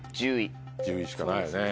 １０位しかないよね。